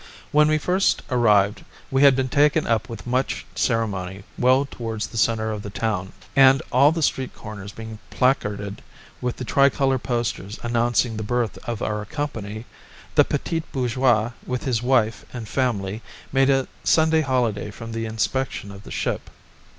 When we first arrived we had been taken up with much ceremony well towards the centre of the town, and, all the street corners being placarded with the tricolour posters announcing the birth of our company, the petit bourgeois with his wife and family made a Sunday holiday from the inspection of the ship.